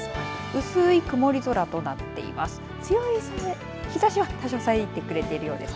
薄い曇り空となっています。